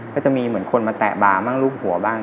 ก็จะมีเหมือนคนมาแตะบาร์บ้างรูปหัวบ้าง